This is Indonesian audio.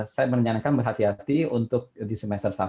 saya menyarankan berhati hati untuk di semester satu